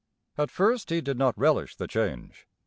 At first he did not relish the change.